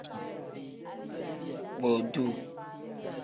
Boduu.